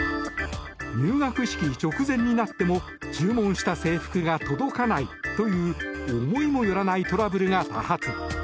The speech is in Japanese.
入学式直前になっても注文した制服が届かないという思いもよらないトラブルが多発。